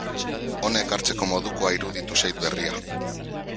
Hona ekartzeko modukoa iruditu zait berria.